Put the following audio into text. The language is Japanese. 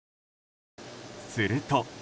すると。